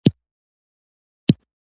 ځینې محصلین د ټولګي ملګرو سره نږدې کېږي.